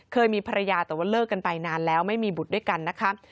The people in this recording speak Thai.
เคยมีภรรยาแต่ว่าเลิกกันไปนานแล้วไม่มีบุตรด้วยกันนะคะ